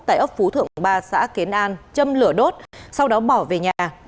tại ấp phú thượng ba xã kiến an châm lửa đốt sau đó bỏ về nhà